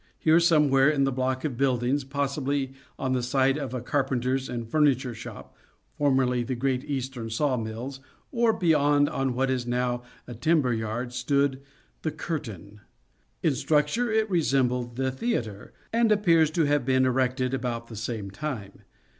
Here somewhere in the block of buildings, possibly on the site of a carpenter's and furniture shop (formerly the Great Eastern Saw Mills), or beyond on what is now a timber yard, stood " The Curtain." In structure it resembled " The Theatre," and appears to have been erected about the same time.